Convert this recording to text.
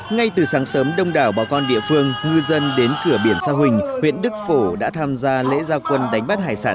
ngay từ sáng sớm đông đảo bà con địa phương ngư dân đến cửa biển sa huỳnh huyện đức phổ đã tham gia lễ gia quân đánh bắt hải sản